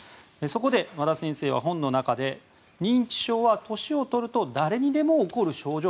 そこで和田先生は本の中で認知症は年を取ると誰にでも起こり得る症状。